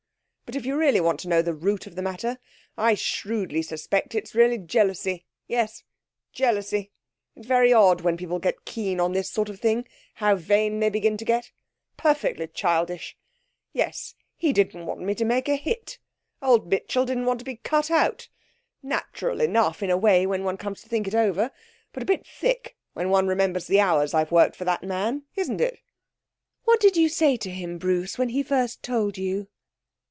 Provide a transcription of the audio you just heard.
But if you really want to know the root of the matter, I shrewdly suspect it's really jealousy! Yes, jealousy! It's very odd, when people get keen on this sort of thing, how vain they begin to get! Perfectly childish! Yes, he didn't want me to make a hit. Old Mitchell didn't want to be cut out! Natural enough, in a way, when one comes to think it over; but a bit thick when one remembers the hours I've worked for that man isn't it?' 'What did you say to him, Bruce, when he first told you?'